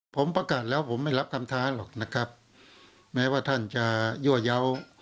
ผมประกาศแล้วผมไม่รับคำท้าหรอกนะครับแม้ว่าท่านจะยั่วเยาว์